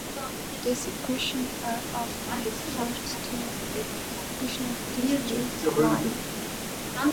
These equations are often referred to as the equations of the straight line.